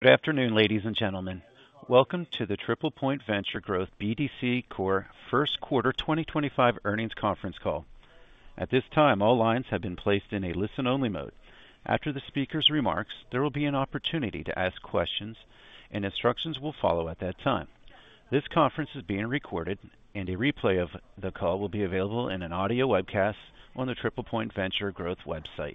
Good afternoon, ladies and gentlemen. Welcome to the TriplePoint Venture Growth BDC Corp. First Quarter 2025 earnings conference call. At this time, all lines have been placed in a listen-only mode. After the speaker's remarks, there will be an opportunity to ask questions, and instructions will follow at that time. This conference is being recorded, and a replay of the call will be available in an audio webcast on the TriplePoint Venture Growth website.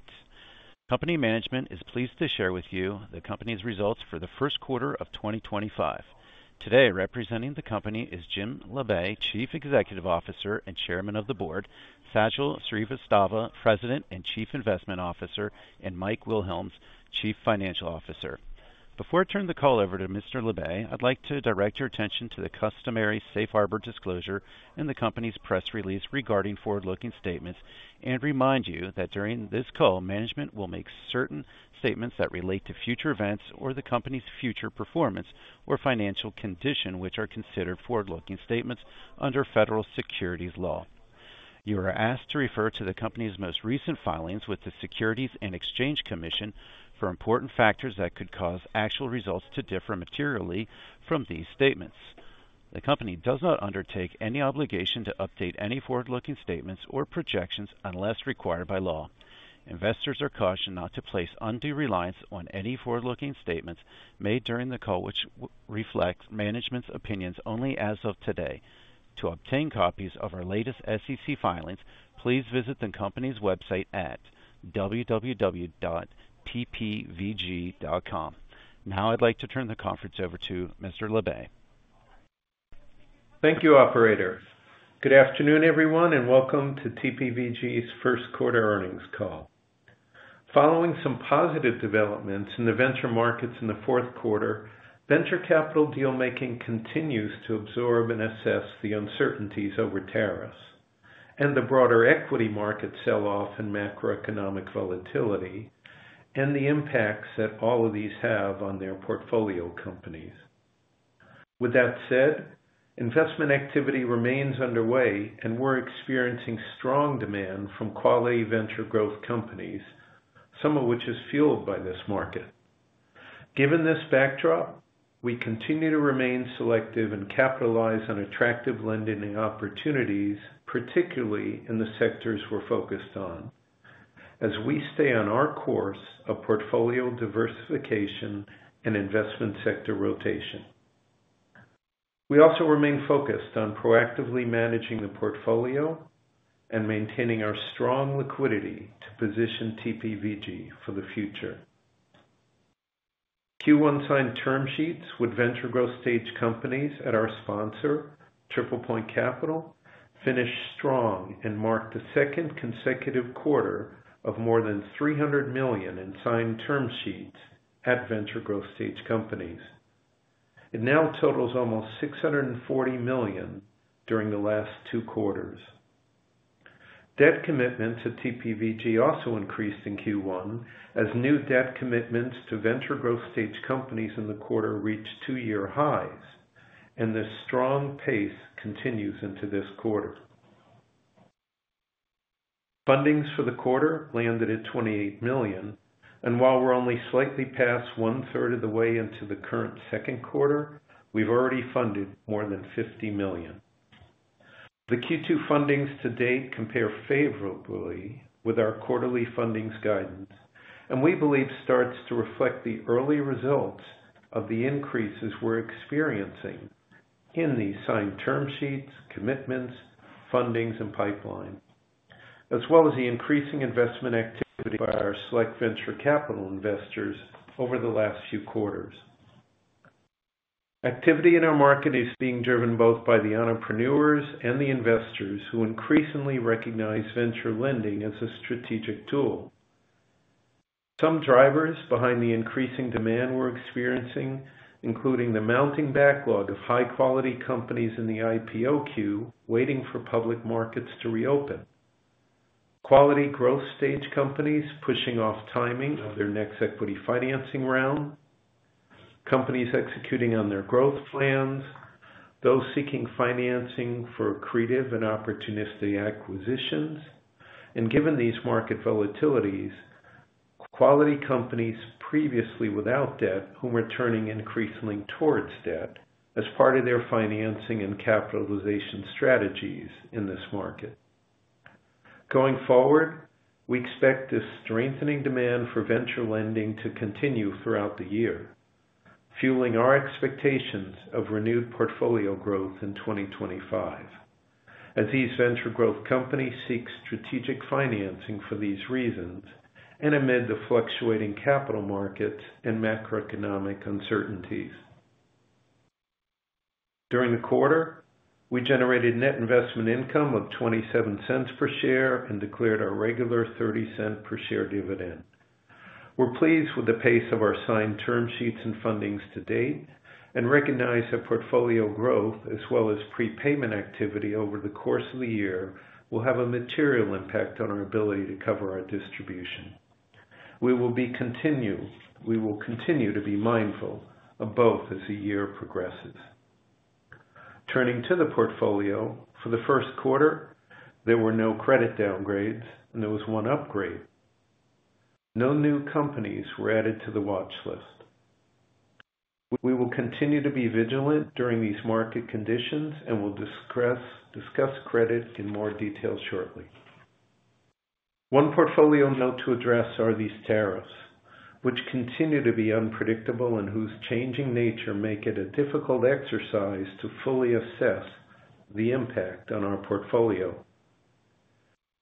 Company management is pleased to share with you the company's results for the first quarter of 2025. Today, representing the company is Jim Labe, Chief Executive Officer and Chairman of the Board, Sajal Srivastava, President and Chief Investment Officer, and Mike Wilhelms, Chief Financial Officer. Before I turn the call over to Mr. Labe, I'd like to direct your attention to the customary safe harbor disclosure in the company's press release regarding forward-looking statements and remind you that during this call, management will make certain statements that relate to future events or the company's future performance or financial condition, which are considered forward-looking statements under federal securities law. You are asked to refer to the company's most recent filings with the Securities and Exchange Commission for important factors that could cause actual results to differ materially from these statements. The company does not undertake any obligation to update any forward-looking statements or projections unless required by law. Investors are cautioned not to place undue reliance on any forward-looking statements made during the call, which reflects management's opinions only as of today. To obtain copies of our latest SEC filings, please visit the company's website at www.tpvg.com. Now, I'd like to turn the conference over to Mr. Labe. Thank you, operator. Good afternoon, everyone, and welcome to TPVG's first quarter earnings call. Following some positive developments in the venture markets in the fourth quarter, venture capital dealmaking continues to absorb and assess the uncertainties over tariffs and the broader equity market sell-off and macroeconomic volatility and the impacts that all of these have on their portfolio companies. With that said, investment activity remains underway, and we're experiencing strong demand from quality venture growth companies, some of which is fueled by this market. Given this backdrop, we continue to remain selective and capitalize on attractive lending opportunities, particularly in the sectors we're focused on, as we stay on our course of portfolio diversification and investment sector rotation. We also remain focused on proactively managing the portfolio and maintaining our strong liquidity to position TPVG for the future. Q1 signed term sheets with venture growth stage companies at our sponsor, TriplePoint Capital, finished strong and marked the second consecutive quarter of more than $300 million in signed term sheets at venture growth stage companies. It now totals almost $640 million during the last two quarters. Debt commitments to TPVG also increased in Q1, as new debt commitments to venture growth stage companies in the quarter reached two-year highs, and this strong pace continues into this quarter. Fundings for the quarter landed at $28 million, and while we're only slightly past one-third of the way into the current second quarter, we've already funded more than $50 million. The Q2 fundings to date compare favorably with our quarterly fundings guidance, and we believe starts to reflect the early results of the increases we're experiencing in the signed term sheets, commitments, fundings, and pipeline, as well as the increasing investment activity by our select venture capital investors over the last few quarters. Activity in our market is being driven both by the entrepreneurs and the investors who increasingly recognize venture lending as a strategic tool. Some drivers behind the increasing demand we're experiencing, including the mounting backlog of high-quality companies in the IPO queue waiting for public markets to reopen, quality growth stage companies pushing off timing of their next equity financing round, companies executing on their growth plans, those seeking financing for creative and opportunistic acquisitions, and given these market volatilities, quality companies previously without debt who are turning increasingly towards debt as part of their financing and capitalization strategies in this market. Going forward, we expect this strengthening demand for venture lending to continue throughout the year, fueling our expectations of renewed portfolio growth in 2025, as these venture growth companies seek strategic financing for these reasons and amid the fluctuating capital markets and macroeconomic uncertainties. During the quarter, we generated net investment income of $0.27 per share and declared our regular $0.30 per share dividend. We're pleased with the pace of our signed term sheets and fundings to date and recognize that portfolio growth, as well as prepayment activity over the course of the year, will have a material impact on our ability to cover our distribution. We will continue to be mindful of both as the year progresses. Turning to the portfolio, for the first quarter, there were no credit downgrades, and there was one upgrade. No new companies were added to the watch list. We will continue to be vigilant during these market conditions and will discuss credit in more detail shortly. One portfolio note to address are these tariffs, which continue to be unpredictable and whose changing nature makes it a difficult exercise to fully assess the impact on our portfolio.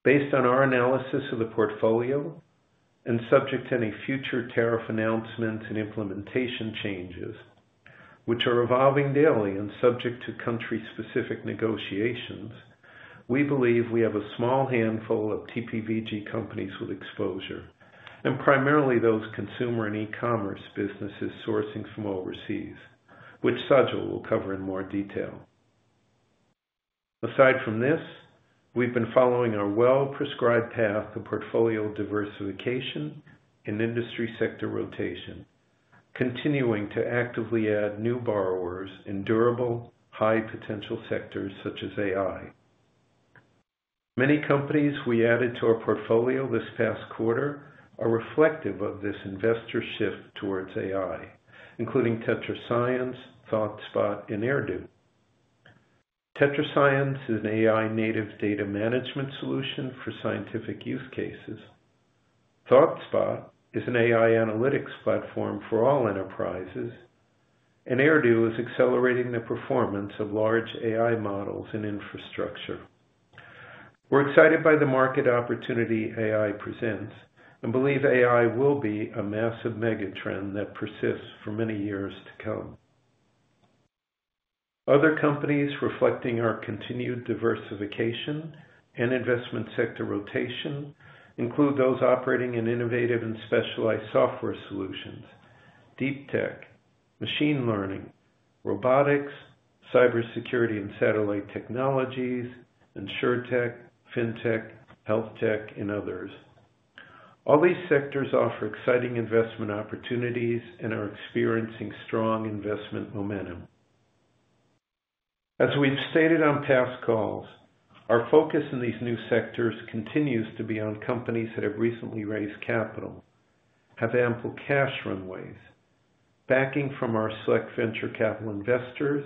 Based on our analysis of the portfolio and subject to any future tariff announcements and implementation changes, which are evolving daily and subject to country-specific negotiations, we believe we have a small handful of TPVG companies with exposure, and primarily those consumer and e-commerce businesses sourcing from overseas, which Sajal will cover in more detail. Aside from this, we have been following our well-prescribed path of portfolio diversification and industry sector rotation, continuing to actively add new borrowers in durable, high-potential sectors such as AI. Many companies we added to our portfolio this past quarter are reflective of this investor shift towards AI, including TetraScience, ThoughtSpot, and Erdu. TetraScience is an AI-native data management solution for scientific use cases. ThoughtSpot is an AI analytics platform for all enterprises, and Erdu is accelerating the performance of large AI models and infrastructure. We're excited by the market opportunity AI presents and believe AI will be a massive mega trend that persists for many years to come. Other companies reflecting our continued diversification and investment sector rotation include those operating in innovative and specialized software solutions: deep tech, machine learning, robotics, cybersecurity and satellite technologies, insurtech, fintech, health tech, and others. All these sectors offer exciting investment opportunities and are experiencing strong investment momentum. As we've stated on past calls, our focus in these new sectors continues to be on companies that have recently raised capital, have ample cash runways, backing from our select venture capital investors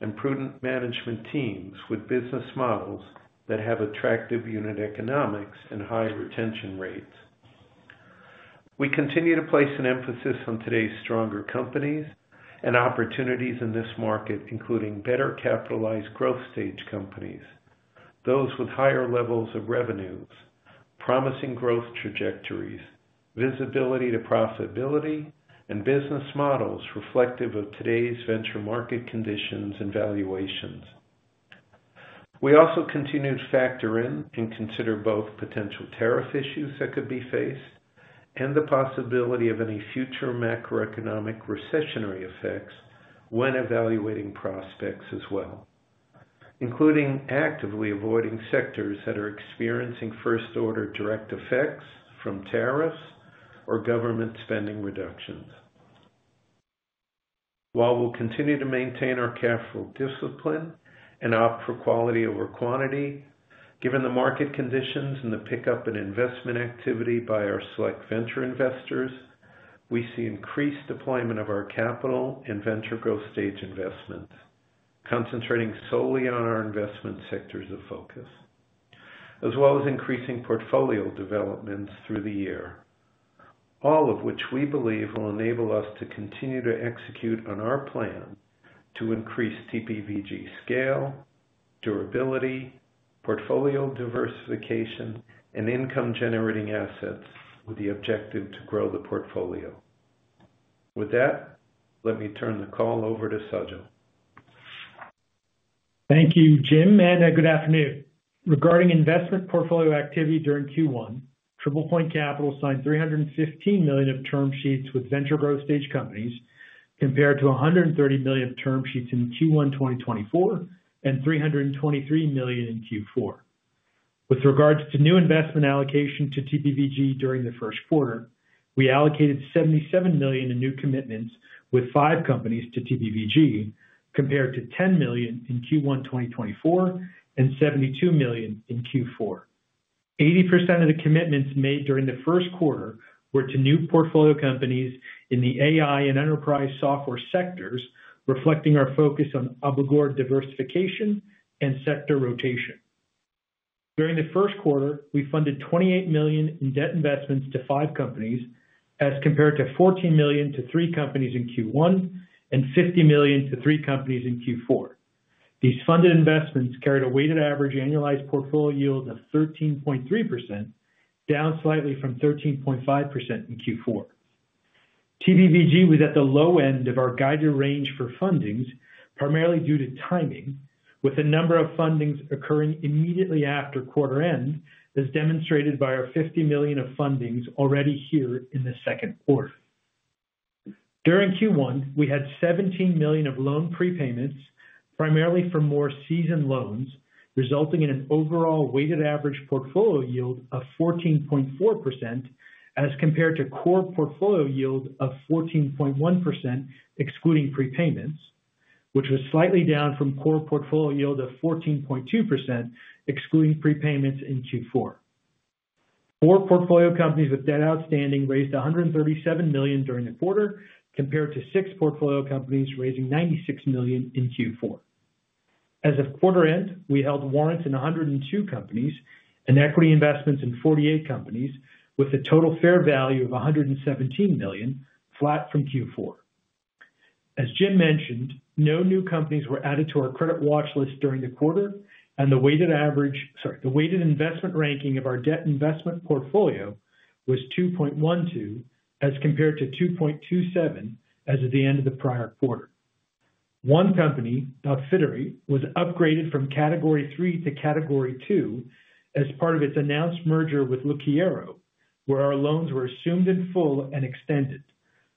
and prudent management teams with business models that have attractive unit economics and high retention rates. We continue to place an emphasis on today's stronger companies and opportunities in this market, including better capitalized growth stage companies, those with higher levels of revenues, promising growth trajectories, visibility to profitability, and business models reflective of today's venture market conditions and valuations. We also continue to factor in and consider both potential tariff issues that could be faced and the possibility of any future macroeconomic recessionary effects when evaluating prospects as well, including actively avoiding sectors that are experiencing first-order direct effects from tariffs or government spending reductions. While we'll continue to maintain our careful discipline and opt for quality over quantity, given the market conditions and the pickup in investment activity by our select venture investors, we see increased deployment of our capital and venture growth stage investments, concentrating solely on our investment sectors of focus, as well as increasing portfolio developments through the year, all of which we believe will enable us to continue to execute on our plan to increase TPVG scale, durability, portfolio diversification, and income-generating assets with the objective to grow the portfolio. With that, let me turn the call over to Sajal. Thank you, Jim. Good afternoon. Regarding investment portfolio activity during Q1, TriplePoint Capital signed $315 million of term sheets with venture growth stage companies compared to $130 million of term sheets in Q1 2024 and $323 million in Q4. With regards to new investment allocation to TPVG during the first quarter, we allocated $77 million in new commitments with five companies to TPVG, compared to $10 million in Q1 2024 and $72 million in Q4. 80% of the commitments made during the first quarter were to new portfolio companies in the AI and enterprise software sectors, reflecting our focus on obligor diversification and sector rotation. During the first quarter, we funded $28 million in debt investments to five companies, as compared to $14 million to three companies in Q1 and $50 million to three companies in Q4. These funded investments carried a weighted average annualized portfolio yield of 13.3%, down slightly from 13.5% in Q4. TPVG was at the low end of our guided range for fundings, primarily due to timing, with a number of fundings occurring immediately after quarter end, as demonstrated by our $50 million of fundings already here in the second quarter. During Q1, we had $17 million of loan prepayments, primarily for more seasoned loans, resulting in an overall weighted average portfolio yield of 14.4%, as compared to core portfolio yield of 14.1%, excluding prepayments, which was slightly down from core portfolio yield of 14.2%, excluding prepayments in Q4. Four portfolio companies with debt outstanding raised $137 million during the quarter, compared to six portfolio companies raising $96 million in Q4. As of quarter end, we held warrants in 102 companies and equity investments in 48 companies, with a total fair value of $117 million, flat from Q4. As Jim mentioned, no new companies were added to our credit watch list during the quarter, and the weighted investment ranking of our debt investment portfolio was 2.12, as compared to 2.27 as of the end of the prior quarter. One company, Outfittery, was upgraded from category three to category two as part of its announced merger with Lucchero, where our loans were assumed in full and extended.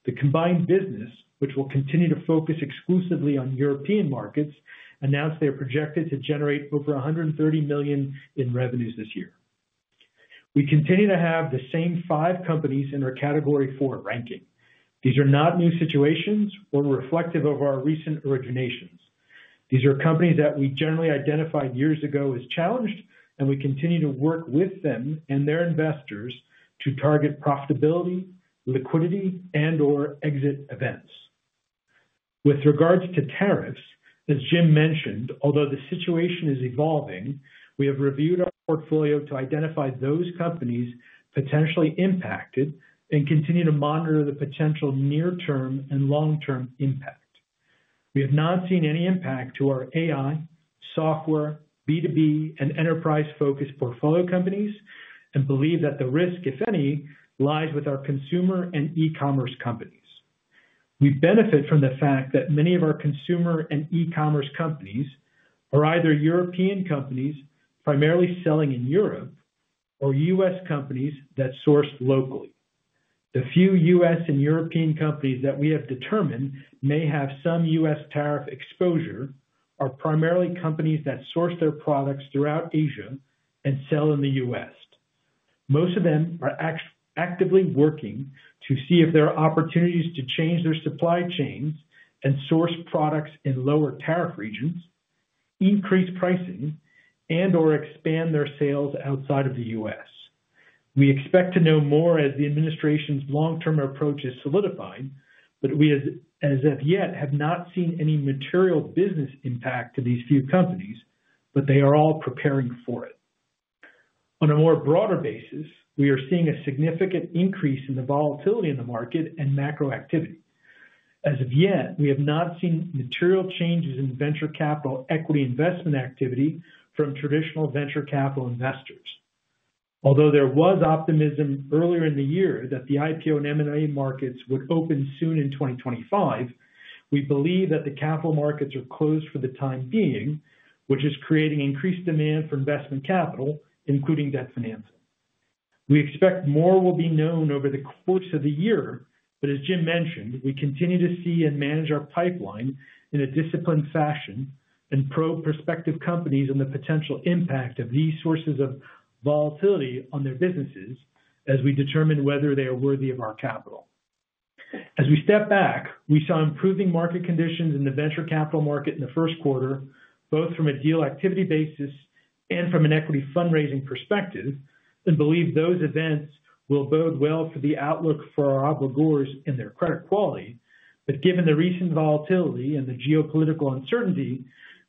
The combined business, which will continue to focus exclusively on European markets, announced they are projected to generate over $130 million in revenues this year. We continue to have the same five companies in our category four ranking. These are not new situations or reflective of our recent originations. These are companies that we generally identified years ago as challenged, and we continue to work with them and their investors to target profitability, liquidity, and/or exit events. With regards to tariffs, as Jim mentioned, although the situation is evolving, we have reviewed our portfolio to identify those companies potentially impacted and continue to monitor the potential near-term and long-term impact. We have not seen any impact to our AI, software, B2B, and enterprise-focused portfolio companies and believe that the risk, if any, lies with our consumer and e-commerce companies. We benefit from the fact that many of our consumer and e-commerce companies are either European companies primarily selling in Europe or U.S. companies that source locally. The few U.S. and European companies that we have determined may have some U.S. tariff exposure are primarily companies that source their products throughout Asia and sell in the U.S. Most of them are actively working to see if there are opportunities to change their supply chains and source products in lower tariff regions, increase pricing, and/or expand their sales outside of the U.S. We expect to know more as the administration's long-term approach is solidifying, but we as of yet have not seen any material business impact to these few companies, but they are all preparing for it. On a more broader basis, we are seeing a significant increase in the volatility in the market and macro activity. As of yet, we have not seen material changes in venture capital equity investment activity from traditional venture capital investors. Although there was optimism earlier in the year that the IPO and M&A markets would open soon in 2025, we believe that the capital markets are closed for the time being, which is creating increased demand for investment capital, including debt financing. We expect more will be known over the course of the year, but as Jim mentioned, we continue to see and manage our pipeline in a disciplined fashion and probe prospective companies and the potential impact of these sources of volatility on their businesses as we determine whether they are worthy of our capital. As we step back, we saw improving market conditions in the venture capital market in the first quarter, both from a deal activity basis and from an equity fundraising perspective, and believe those events will bode well for the outlook for our obligors and their credit quality. Given the recent volatility and the geopolitical uncertainty,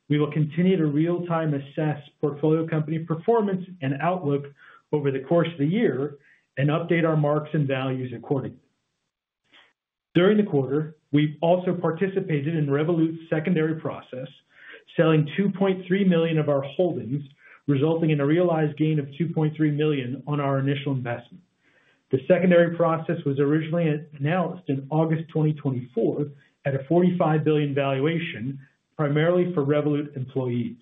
we will continue to real-time assess portfolio company performance and outlook over the course of the year and update our marks and values accordingly. During the quarter, we also participated in Revolut's secondary process, selling $2.3 million of our holdings, resulting in a realized gain of $2.3 million on our initial investment. The secondary process was originally announced in August 2024 at a $45 billion valuation, primarily for Revolut employees.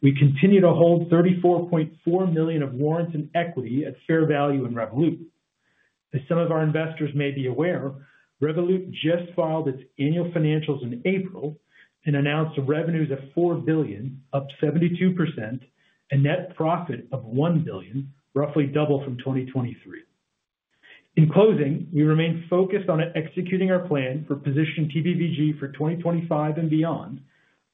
We continue to hold $34.4 million of warrants and equity at fair value in Revolut. As some of our investors may be aware, Revolut just filed its annual financials in April and announced revenues of $4 billion, up 72%, and net profit of $1 billion, roughly double from 2023. In closing, we remain focused on executing our plan for positioning TPVG for 2025 and beyond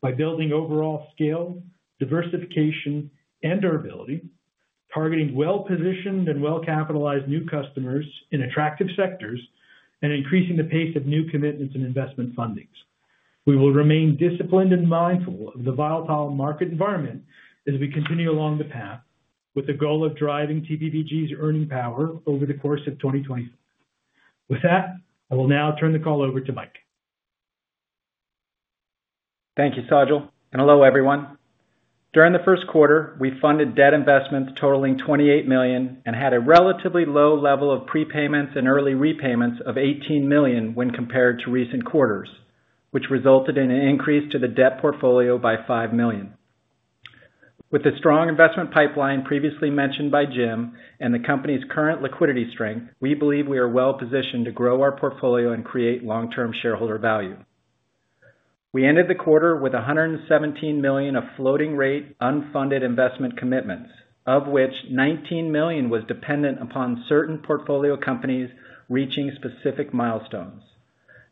by building overall scale, diversification, and durability, targeting well-positioned and well-capitalized new customers in attractive sectors, and increasing the pace of new commitments and investment fundings. We will remain disciplined and mindful of the volatile market environment as we continue along the path with the goal of driving TPVG's earning power over the course of 2024. With that, I will now turn the call over to Mike. Thank you, Sajal. Hello, everyone. During the first quarter, we funded debt investments totaling $28 million and had a relatively low level of prepayments and early repayments of $18 million when compared to recent quarters, which resulted in an increase to the debt portfolio by $5 million. With the strong investment pipeline previously mentioned by Jim and the company's current liquidity strength, we believe we are well-positioned to grow our portfolio and create long-term shareholder value. We ended the quarter with $117 million of floating-rate unfunded investment commitments, of which $19 million was dependent upon certain portfolio companies reaching specific milestones.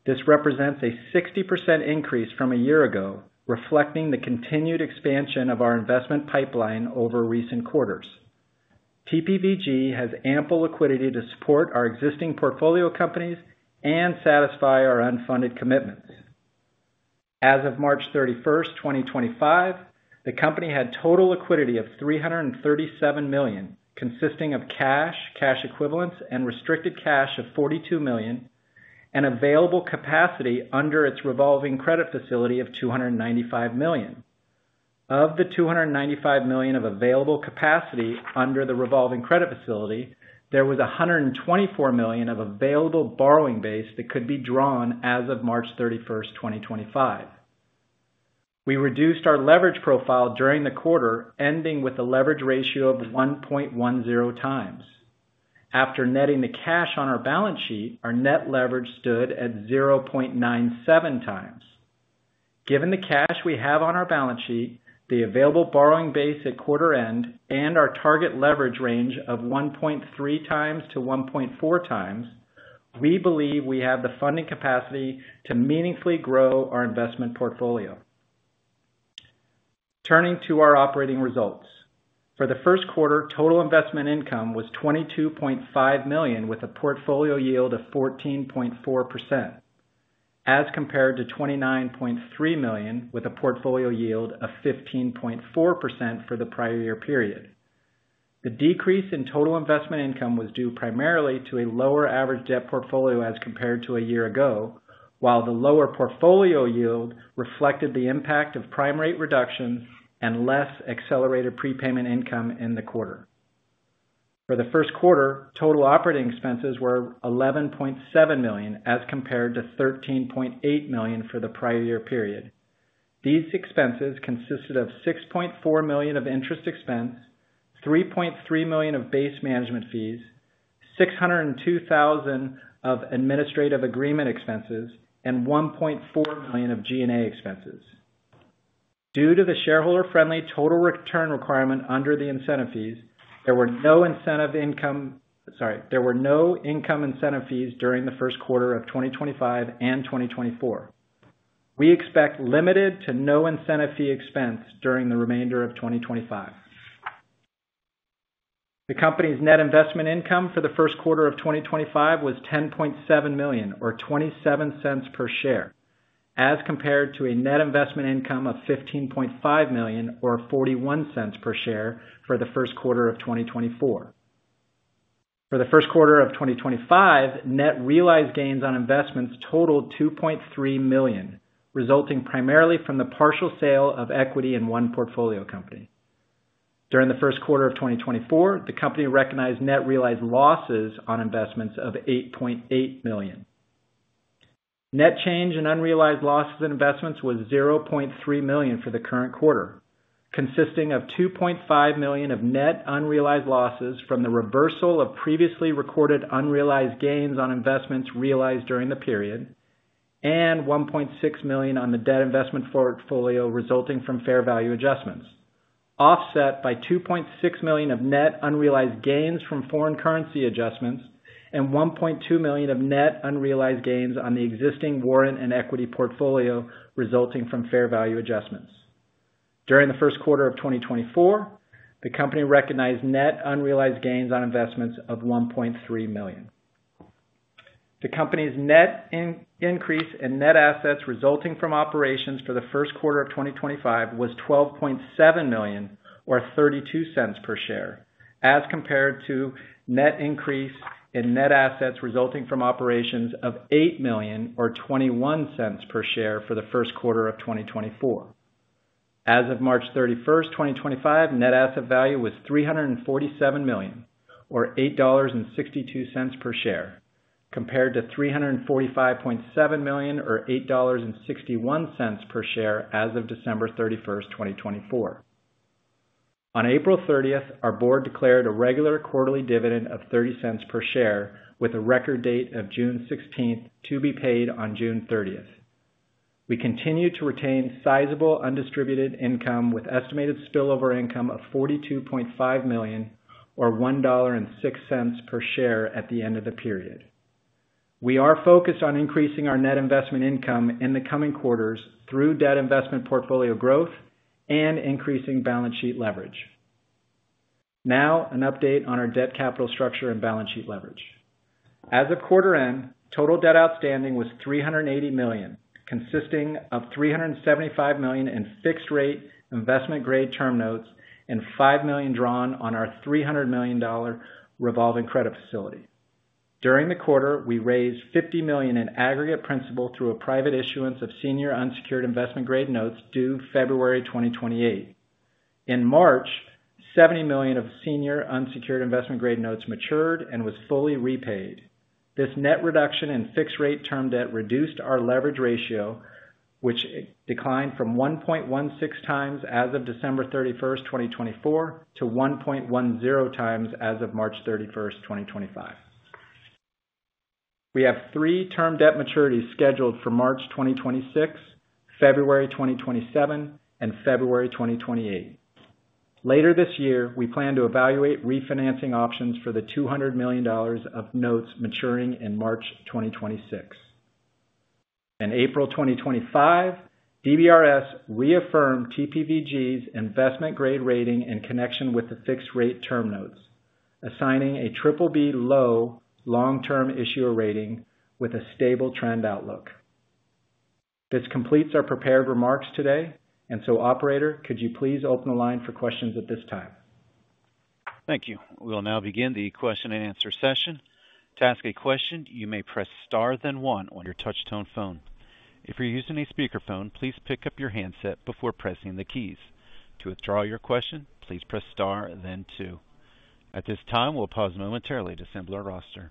This represents a 60% increase from a year ago, reflecting the continued expansion of our investment pipeline over recent quarters. TPVG has ample liquidity to support our existing portfolio companies and satisfy our unfunded commitments. As of March 31, 2025, the company had total liquidity of $337 million, consisting of cash, cash equivalents, and restricted cash of $42 million, and available capacity under its revolving credit facility of $295 million. Of the $295 million of available capacity under the revolving credit facility, there was $124 million of available borrowing base that could be drawn as of March 31, 2025. We reduced our leverage profile during the quarter, ending with a leverage ratio of 1.10 times. After netting the cash on our balance sheet, our net leverage stood at 0.97 times. Given the cash we have on our balance sheet, the available borrowing base at quarter end, and our target leverage range of 1.3-1.4 times, we believe we have the funding capacity to meaningfully grow our investment portfolio. Turning to our operating results, for the first quarter, total investment income was $22.5 million with a portfolio yield of 14.4%, as compared to $29.3 million with a portfolio yield of 15.4% for the prior year period. The decrease in total investment income was due primarily to a lower average debt portfolio as compared to a year ago, while the lower portfolio yield reflected the impact of prime rate reductions and less accelerated prepayment income in the quarter. For the first quarter, total operating expenses were $11.7 million as compared to $13.8 million for the prior year period. These expenses consisted of $6.4 million of interest expense, $3.3 million of base management fees, $602,000 of administrative agreement expenses, and $1.4 million of G&A expenses. Due to the shareholder-friendly total return requirement under the incentive fees, there were no incentive income—sorry, there were no income incentive fees during the first quarter of 2025 and 2024. We expect limited to no incentive fee expense during the remainder of 2025. The company's net investment income for the first quarter of 2025 was $10.7 million, or $0.27 per share, as compared to a net investment income of $15.5 million, or $0.41 per share for the first quarter of 2024. For the first quarter of 2025, net realized gains on investments totaled $2.3 million, resulting primarily from the partial sale of equity in one portfolio company. During the first quarter of 2024, the company recognized net realized losses on investments of $8.8 million. Net change in unrealized losses and investments was $0.3 million for the current quarter, consisting of $2.5 million of net unrealized losses from the reversal of previously recorded unrealized gains on investments realized during the period, and $1.6 million on the debt investment portfolio resulting from fair value adjustments, offset by $2.6 million of net unrealized gains from foreign currency adjustments, and $1.2 million of net unrealized gains on the existing warrant and equity portfolio resulting from fair value adjustments. During the first quarter of 2024, the company recognized net unrealized gains on investments of $1.3 million. The company's net increase in net assets resulting from operations for the first quarter of 2025 was $12.7 million, or $0.32 per share, as compared to net increase in net assets resulting from operations of $8 million, or $0.21 per share for the first quarter of 2024. As of March 31, 2025, net asset value was $347 million, or $8.62 per share, compared to $345.7 million, or $8.61 per share as of December 31, 2024. On April 30, our board declared a regular quarterly dividend of $0.30 per share with a record date of June 16 to be paid on June 30. We continue to retain sizable undistributed income with estimated spillover income of $42.5 million, or $1.06 per share at the end of the period. We are focused on increasing our net investment income in the coming quarters through debt investment portfolio growth and increasing balance sheet leverage. Now, an update on our debt capital structure and balance sheet leverage. As of quarter end, total debt outstanding was $380 million, consisting of $375 million in fixed-rate investment-grade term notes and $5 million drawn on our $300 million revolving credit facility. During the quarter, we raised $50 million in aggregate principal through a private issuance of senior unsecured investment-grade notes due February 2028. In March, $70 million of senior unsecured investment-grade notes matured and was fully repaid. This net reduction in fixed-rate term debt reduced our leverage ratio, which declined from 1.16 times as of December 31, 2024, to 1.10 times as of March 31, 2025. We have three term debt maturities scheduled for March 2026, February 2027, and February 2028. Later this year, we plan to evaluate refinancing options for the $200 million of notes maturing in March 2026. In April 2025, DBRS reaffirmed TPVG's investment-grade rating in connection with the fixed-rate term notes, assigning a BBB low long-term issuer rating with a stable trend outlook. This completes our prepared remarks today. Operator, could you please open the line for questions at this time? Thank you. We will now begin the question-and-answer session. To ask a question, you may press star then one on your touch-tone phone. If you're using a speakerphone, please pick up your handset before pressing the keys. To withdraw your question, please press star then two. At this time, we'll pause momentarily to assemble our roster.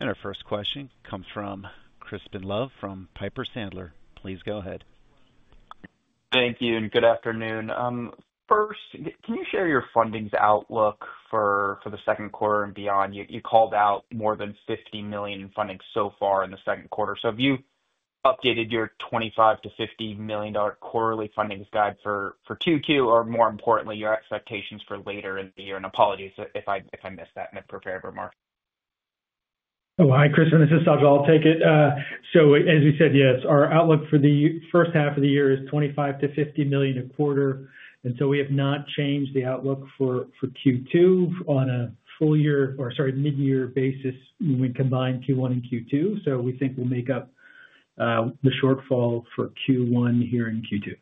Our first question comes from Crispin Love from Piper Sandler. Please go ahead. Thank you and good afternoon. First, can you share your fundings outlook for the second quarter and beyond? You called out more than $50 million in fundings so far in the second quarter. Have you updated your $25 million-$50 million quarterly funding guide for Q2, or more importantly, your expectations for later in the year? Apologies if I missed that in the prepared remarks. Oh, hi, Crispin. This is Sajal Srivastava. As we said, yes, our outlook for the first half of the year is $25 million-$50 million a quarter. We have not changed the outlook for Q2 on a full year—sorry, mid-year basis when we combine Q1 and Q2. We think we'll make up the shortfall for Q1 here in Q2.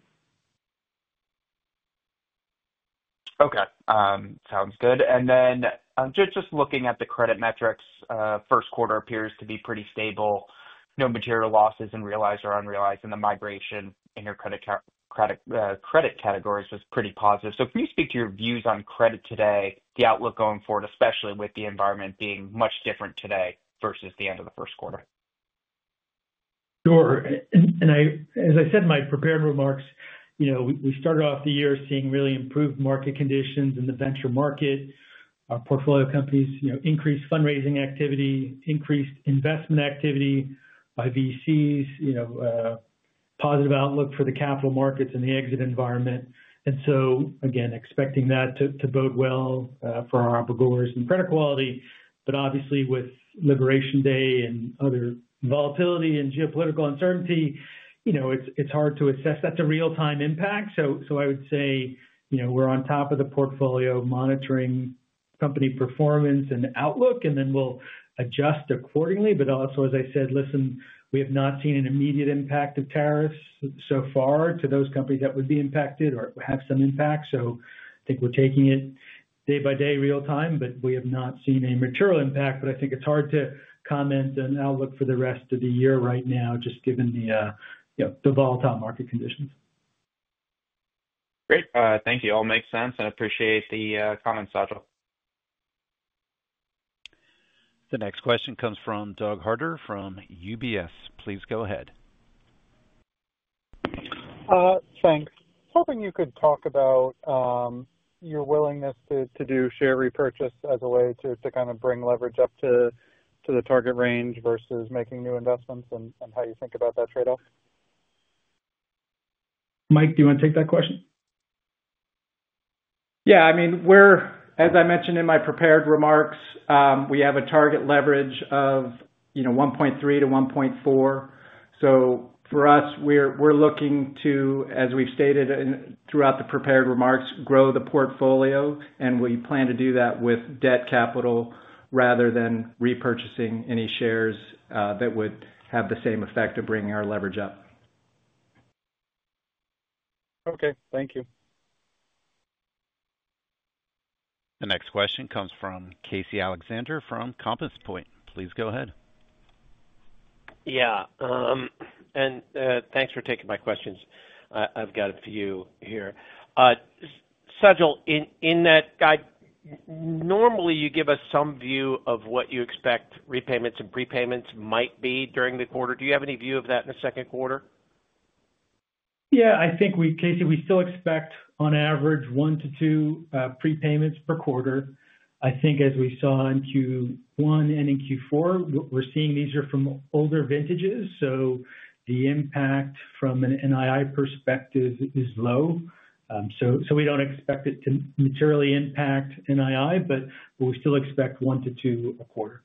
Okay. Sounds good. Just looking at the credit metrics, first quarter appears to be pretty stable. No material losses in realized or unrealized, and the migration in your credit categories was pretty positive. Can you speak to your views on credit today, the outlook going forward, especially with the environment being much different today versus the end of the first quarter? Sure. As I said in my prepared remarks, we started off the year seeing really improved market conditions in the venture market. Our portfolio companies increased fundraising activity, increased investment activity by VCs, positive outlook for the capital markets and the exit environment. Again, expecting that to bode well for our obligators and credit quality. Obviously, with Liberation Day and other volatility and geopolitical uncertainty, it's hard to assess that's a real-time impact. I would say we're on top of the portfolio, monitoring company performance and outlook, and then we'll adjust accordingly. Also, as I said, listen, we have not seen an immediate impact of tariffs so far to those companies that would be impacted or have some impact. I think we're taking it day by day, real-time, but we have not seen a material impact. I think it's hard to comment on outlook for the rest of the year right now, just given the volatile market conditions. Great. Thank you. All makes sense. I appreciate the comments, Sajal. The next question comes from Doug Harter from UBS. Please go ahead. Thanks. Hoping you could talk about your willingness to do share repurchase as a way to kind of bring leverage up to the target range versus making new investments and how you think about that trade-off. Mike, do you want to take that question? Yeah. I mean, as I mentioned in my prepared remarks, we have a target leverage of 1.3-1.4. For us, we're looking to, as we've stated throughout the prepared remarks, grow the portfolio, and we plan to do that with debt capital rather than repurchasing any shares that would have the same effect of bringing our leverage up. Okay. Thank you. The next question comes from Casey Alexander from Compass Point. Please go ahead. Yeah. Thanks for taking my questions. I've got a few here. Sajal, in that guide, normally you give us some view of what you expect repayments and prepayments might be during the quarter. Do you have any view of that in the second quarter? Yeah. I think, Casey, we still expect on average one to two prepayments per quarter. I think as we saw in Q1 and in Q4, what we're seeing, these are from older vintages. So the impact from an NII perspective is low. We do not expect it to materially impact NII, but we still expect one to two a quarter.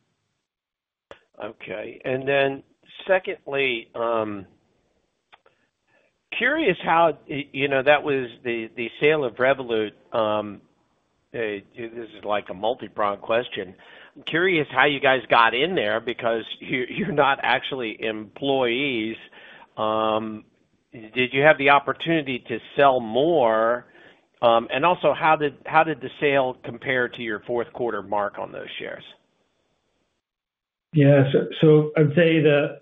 Okay. And then secondly, curious how that was the sale of Revolut. This is like a multi-pronged question. I'm curious how you guys got in there because you're not actually employees. Did you have the opportunity to sell more? Also, how did the sale compare to your fourth quarter mark on those shares? Yeah. I'd say the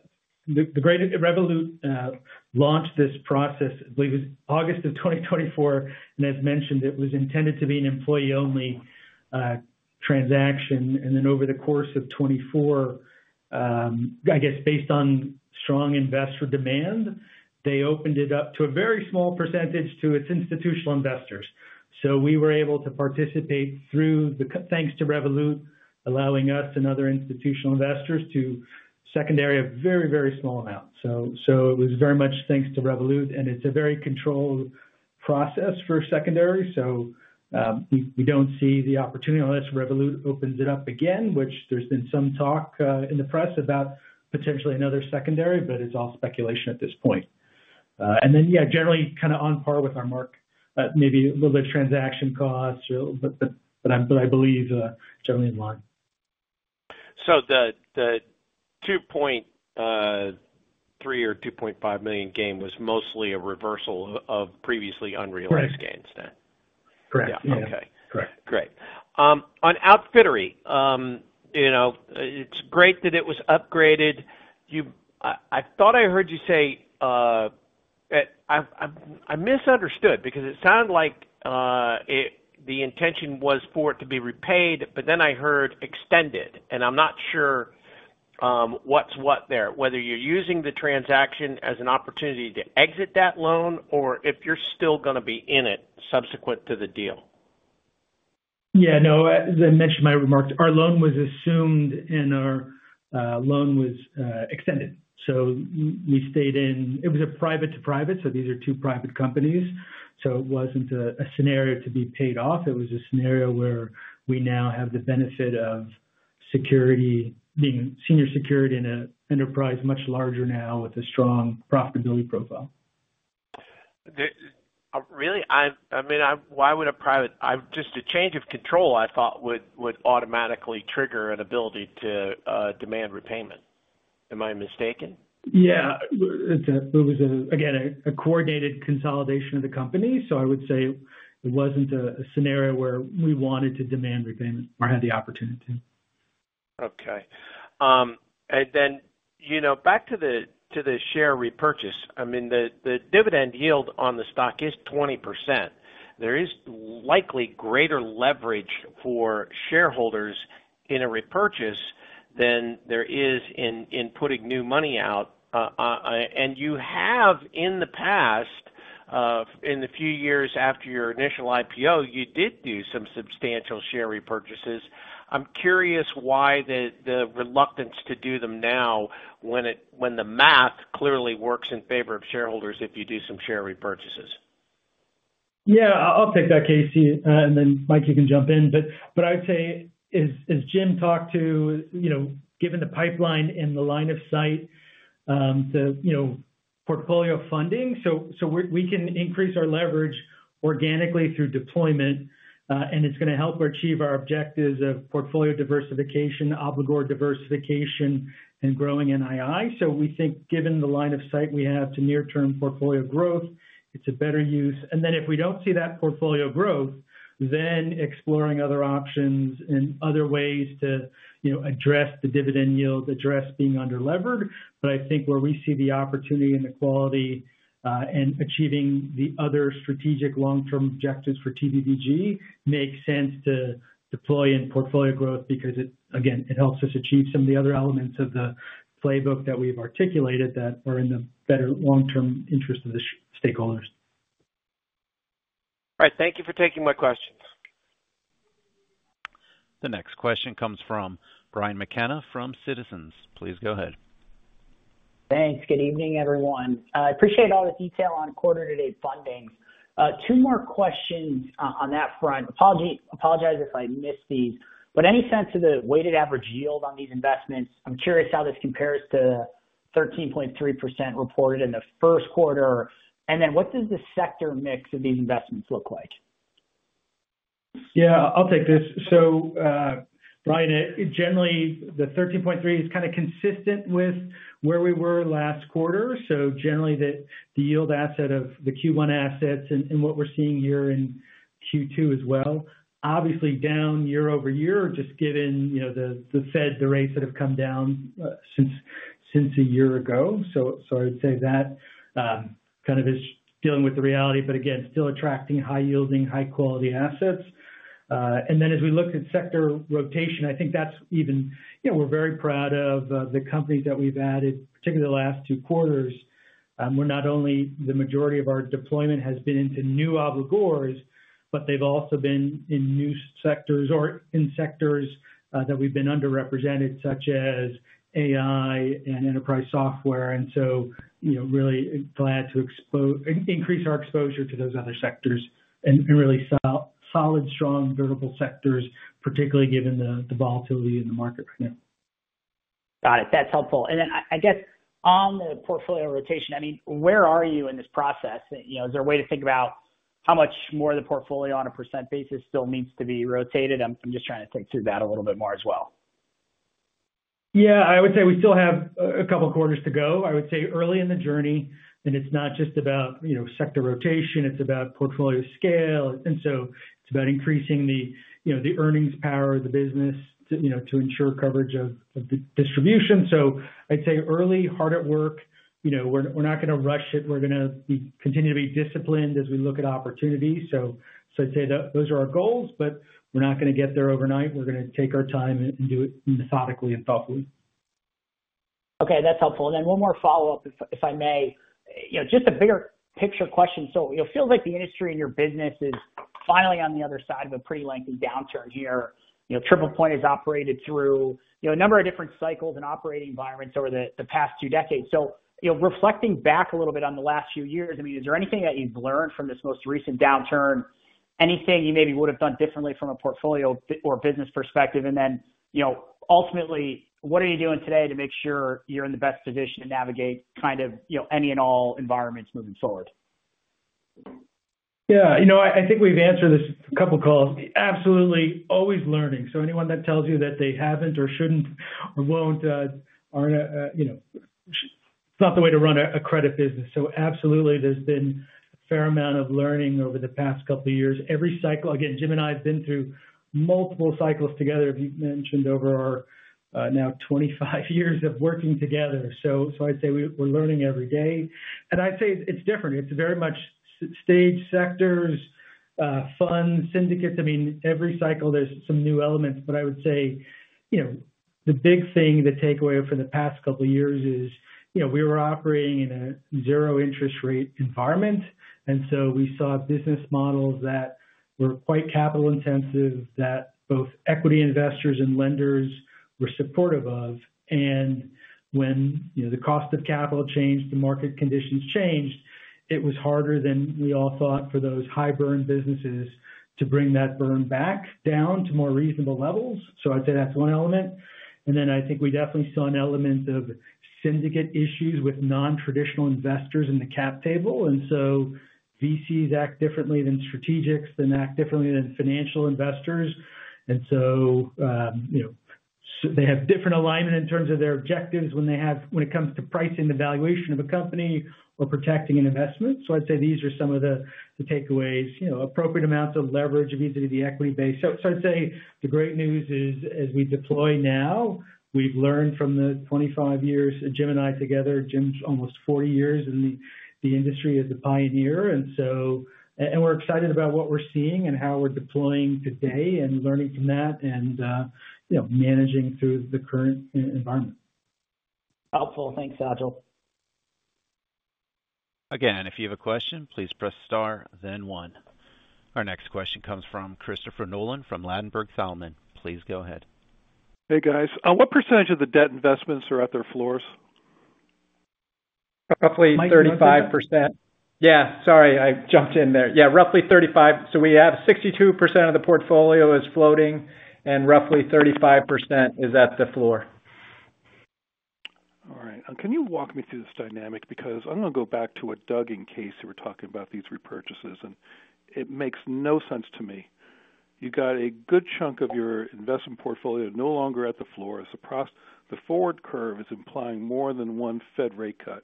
great Revolut launched this process, I believe it was August of 2024. As mentioned, it was intended to be an employee-only transaction. Over the course of 2024, I guess based on strong investor demand, they opened it up to a very small percentage to its institutional investors. We were able to participate thanks to Revolut allowing us and other institutional investors to secondary a very, very small amount. It was very much thanks to Revolut. It is a very controlled process for secondary. We do not see the opportunity unless Revolut opens it up again, which there has been some talk in the press about potentially another secondary, but it is all speculation at this point. Generally, kind of on par with our mark, maybe a little bit of transaction costs, but I believe generally in line. The $2.3 million or $2.5 million gain was mostly a reversal of previously unrealized gains then? Correct. Correct. Yeah. Okay. Great. On Outfittery, it's great that it was upgraded. I thought I heard you say I misunderstood because it sounded like the intention was for it to be repaid, but then I heard extended. I'm not sure what's what there, whether you're using the transaction as an opportunity to exit that loan or if you're still going to be in it subsequent to the deal. Yeah. No, as I mentioned in my remarks, our loan was assumed and our loan was extended. So we stayed in. It was a private-to-private. These are two private companies. It was not a scenario to be paid off. It was a scenario where we now have the benefit of senior security in an enterprise much larger now with a strong profitability profile. Really? I mean, why would a private, just a change of control, I thought would automatically trigger an ability to demand repayment. Am I mistaken? Yeah. It was, again, a coordinated consolidation of the company. I would say it was not a scenario where we wanted to demand repayment or had the opportunity. Okay. And then back to the share repurchase. I mean, the dividend yield on the stock is 20%. There is likely greater leverage for shareholders in a repurchase than there is in putting new money out. And you have in the past, in the few years after your initial IPO, you did do some substantial share repurchases. I'm curious why the reluctance to do them now when the math clearly works in favor of shareholders if you do some share repurchases. Yeah. I'll take that, Casey. Mike, you can jump in. I would say, as Jim talked to, given the pipeline and the line of sight, the portfolio funding, we can increase our leverage organically through deployment, and it is going to help achieve our objectives of portfolio diversification, obligatory diversification, and growing NII. We think given the line of sight we have to near-term portfolio growth, it is a better use. If we do not see that portfolio growth, exploring other options and other ways to address the dividend yield, address being under-levered. I think where we see the opportunity and the quality and achieving the other strategic long-term objectives for TPVG makes sense to deploy in portfolio growth because, again, it helps us achieve some of the other elements of the playbook that we've articulated that are in the better long-term interest of the stakeholders. All right. Thank you for taking my questions. The next question comes from Brian McKenna from Citizens. Please go ahead. Thanks. Good evening, everyone. I appreciate all the detail on quarter-to-date funding. Two more questions on that front. Apologize if I missed these. Any sense of the weighted average yield on these investments? I am curious how this compares to 13.3% reported in the first quarter. What does the sector mix of these investments look like? Yeah. I'll take this. So Brian, generally, the 13.3 is kind of consistent with where we were last quarter. Generally, the yield asset of the Q1 assets and what we're seeing here in Q2 as well. Obviously, down year over year, just given the Fed, the rates that have come down since a year ago. I would say that kind of is dealing with the reality, but again, still attracting high-yielding, high-quality assets. As we looked at sector rotation, I think that's even, we're very proud of the companies that we've added, particularly the last two quarters. The majority of our deployment has been into new obligators, but they've also been in new sectors or in sectors that we've been underrepresented, such as AI and enterprise software. Really glad to increase our exposure to those other sectors and really solid, strong, durable sectors, particularly given the volatility in the market right now. Got it. That's helpful. I mean, where are you in this process? Is there a way to think about how much more of the portfolio on a % basis still needs to be rotated? I'm just trying to think through that a little bit more as well. Yeah. I would say we still have a couple of quarters to go. I would say early in the journey, and it's not just about sector rotation. It's about portfolio scale. And so it's about increasing the earnings power of the business to ensure coverage of the distribution. So I'd say early, hard at work. We're not going to rush it. We're going to continue to be disciplined as we look at opportunities. So I'd say those are our goals, but we're not going to get there overnight. We're going to take our time and do it methodically and thoughtfully. Okay. That's helpful. And then one more follow-up, if I may. Just a bigger picture question. It feels like the industry and your business is finally on the other side of a pretty lengthy downturn here. TriplePoint has operated through a number of different cycles and operating environments over the past two decades. Reflecting back a little bit on the last few years, I mean, is there anything that you've learned from this most recent downturn? Anything you maybe would have done differently from a portfolio or business perspective? Ultimately, what are you doing today to make sure you're in the best position to navigate kind of any and all environments moving forward? Yeah. I think we've answered this a couple of calls. Absolutely. Always learning. So anyone that tells you that they haven't or shouldn't or won't, it's not the way to run a credit business. So absolutely, there's been a fair amount of learning over the past couple of years. Again, Jim and I have been through multiple cycles together, as you mentioned, over our now 25 years of working together. So I'd say we're learning every day. And I'd say it's different. It's very much stage sectors, funds, syndicates. I mean, every cycle, there's some new elements. But I would say the big thing, the takeaway from the past couple of years is we were operating in a zero-interest rate environment. And so we saw business models that were quite capital-intensive that both equity investors and lenders were supportive of. When the cost of capital changed, the market conditions changed. It was harder than we all thought for those high-burn businesses to bring that burn back down to more reasonable levels. I'd say that's one element. I think we definitely saw an element of syndicate issues with non-traditional investors in the cap table. VCs act differently than strategics that act differently than financial investors. They have different alignment in terms of their objectives when it comes to pricing the valuation of a company or protecting an investment. I'd say these are some of the takeaways: appropriate amounts of leverage, vis-à-vis the equity base. The great news is, as we deploy now, we've learned from the 25 years of Jim and I together. Jim's almost 40 years in the industry as a pioneer. We are excited about what we are seeing and how we are deploying today and learning from that and managing through the current environment. Helpful. Thanks, Sajal. Again, if you have a question, please press star, then one. Our next question comes from Christopher Nolan from Ladenburg Thalmann. Please go ahead. Hey, guys. What percentage of the debt investments are at their floors? Roughly 35%. Yeah. Sorry, I jumped in there. Yeah. Roughly 35. So we have 62% of the portfolio is floating and roughly 35% is at the floor. All right. Can you walk me through this dynamic? Because I'm going to go back to Doug and Casey were talking about these repurchases, and it makes no sense to me. You got a good chunk of your investment portfolio no longer at the floor. The forward curve is implying more than one Fed rate cut.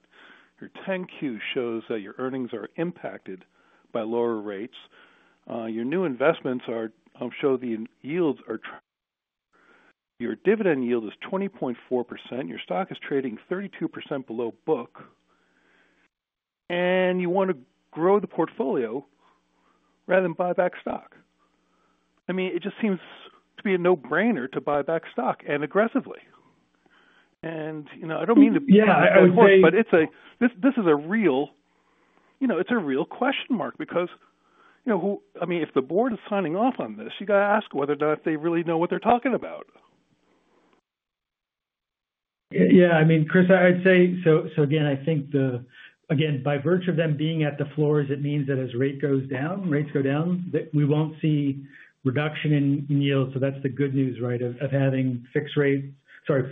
Your 10Q shows that your earnings are impacted by lower rates. Your new investments show the yields are your dividend yield is 20.4%. Your stock is trading 32% below book. And you want to grow the portfolio rather than buy back stock. I mean, it just seems to be a no-brainer to buy back stock and aggressively. I don't mean to be hard, but this is a real, it's a real question mark because, I mean, if the board is signing off on this, you got to ask whether or not they really know what they're talking about. Yeah. I mean, Chris, I'd say, so again, I think the, again, by virtue of them being at the floors, it means that as rates go down, we won't see reduction in yield. That's the good news, right, of having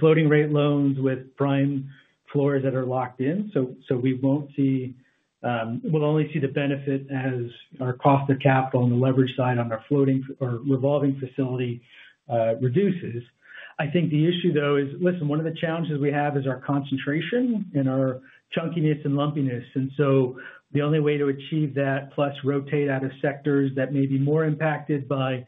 floating rate loans with prime floors that are locked in. We will only see the benefit as our cost of capital on the leverage side on our floating or revolving facility reduces. I think the issue, though, is, listen, one of the challenges we have is our concentration and our chunkiness and lumpiness. The only way to achieve that, plus rotate out of sectors that may be more impacted by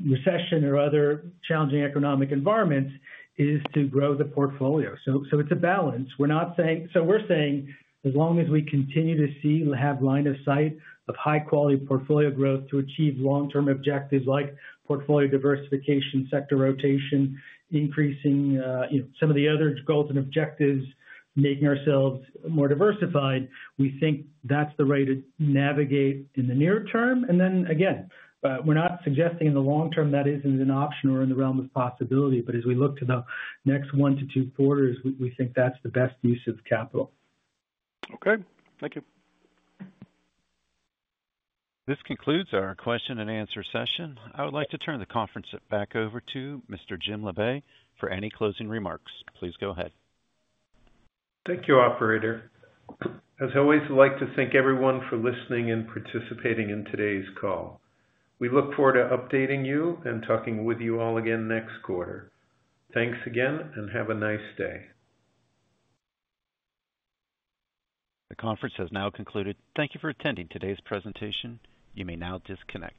recession or other challenging economic environments, is to grow the portfolio. It's a balance. We're saying as long as we continue to have line of sight of high-quality portfolio growth to achieve long-term objectives like portfolio diversification, sector rotation, increasing some of the other goals and objectives, making ourselves more diversified, we think that's the way to navigate in the near term. Then again, we're not suggesting in the long term that isn't an option or in the realm of possibility. As we look to the next one to two quarters, we think that's the best use of capital. Okay. Thank you. This concludes our question and answer session. I would like to turn the conference back over to Mr. Jim Labe for any closing remarks. Please go ahead. Thank you, Operator. As always, I'd like to thank everyone for listening and participating in today's call. We look forward to updating you and talking with you all again next quarter. Thanks again, and have a nice day. The conference has now concluded. Thank you for attending today's presentation. You may now disconnect.